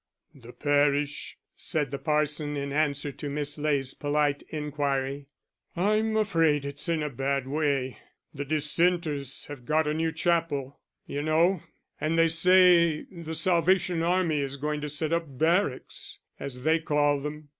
"The parish?" said the parson, in answer to Miss Ley's polite inquiry, "I'm afraid it's in a bad way. The dissenters have got a new chapel, you know and they say the Salvation Army is going to set up 'barracks' as they call them.